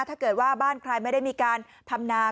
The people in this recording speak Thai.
ถ้าเกิดว่าบ้านใครไม่ได้มีการทำนา